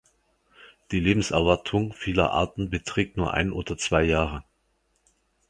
Die Lebenserwartung vieler Arten beträgt nur ein oder zwei Jahre.